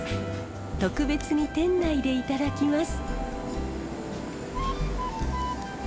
特別に店内でいただきます。